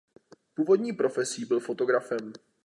Původní profesí byl fotografem.